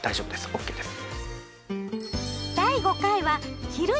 ＯＫです。